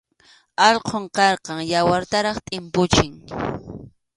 Alqum karqan, yawartaraq tʼimpuchiq.